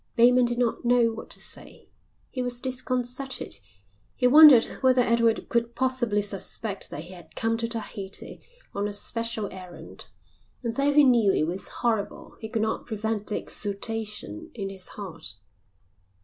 Bateman did not know what to say. He was disconcerted. He wondered whether Edward could possibly suspect that he had come to Tahiti on a special errand. And though he knew it was horrible he could not prevent the exultation in his heart.